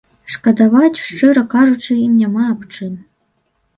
Шкадаваць, шчыра кажучы, ім няма аб чым.